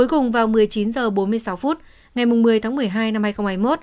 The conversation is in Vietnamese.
cuối cùng vào một mươi chín h bốn mươi sáu ngày một mươi một mươi hai hai nghìn hai mươi một